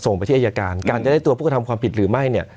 ไปที่อายการการจะได้ตัวผู้กระทำความผิดหรือไม่เนี่ย